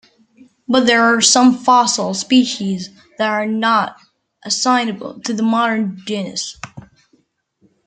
But there are some fossil species that are not assignable to the modern genus.